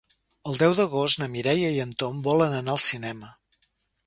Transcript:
El deu d'agost na Mireia i en Tom volen anar al cinema.